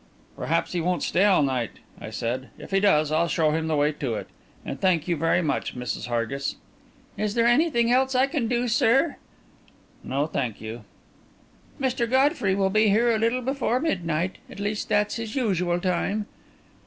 "Perhaps he won't stay all night," I said. "If he does, I'll show him the way to it. And thank you very much, Mrs. Hargis." "Is there anything else I can do, sir?" "No, thank you." "Mr. Godfrey will be here a little before midnight at least, that's his usual time."